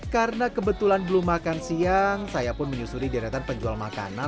karena kebetulan belum makan siang saya pun menyusuri diadatan penjual makanan